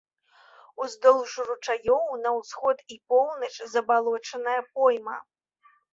Уздоўж ручаёў на ўсход і поўнач забалочаная пойма.